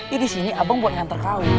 ya disini abang buat nyantar kawin